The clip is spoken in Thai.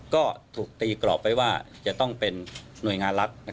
ก็ถูกตีกรอบไว้ว่าจะต้องเป็นหน่วยงานรัฐ